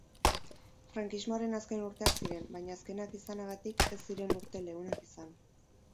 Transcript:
Franksimoaren azken urteak ziren, baina azkenak izanagatik ez ziren urte leunak izan.